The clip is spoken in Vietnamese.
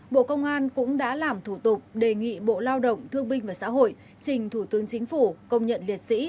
bộ công an cũng đã làm thủ tục đề nghị bộ lao động thương binh và xã hội trình thủ tướng chính phủ công nhận liệt sĩ